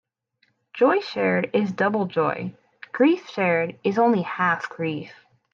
Joy shared is double joy; grief shared is only half grief.